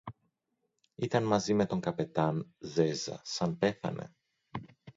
Ήταν μαζί με τον καπετάν-Ζέζα σαν πέθανε;